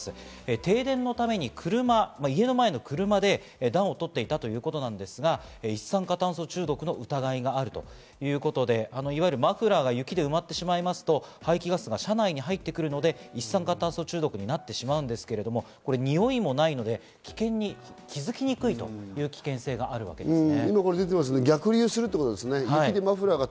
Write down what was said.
停電のために車、家の前の車で暖を取っていたということなんですが、一酸化炭素中毒の疑いがあるということで、いわゆる、マフラーが雪で埋まってしまいますと、排気ガスが車内に入ってくるので、一酸化炭素中毒になってしまうんですけれども、においもないので異変に気づきにくいという危険性があるわけですね。